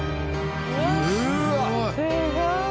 すごい！